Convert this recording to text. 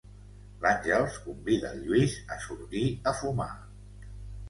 L'Àngels convida el Lluís a sortir a fumar.